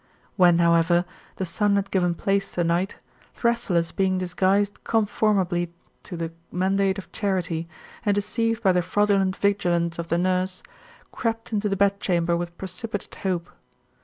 When, however, the sun had given place to night, Thrasyllus bemg disguised conformably to the mandate of Charite, and deceived by the fraudulent vigilance of the nurse, crept into the bedchamber with precipitate hope.